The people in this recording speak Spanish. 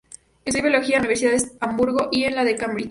Estudió biología en la Universidad de Hamburgo y en la de Cambridge.